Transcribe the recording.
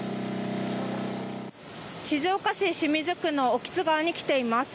静岡市清水区の興津川に来ています。